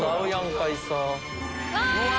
うわ！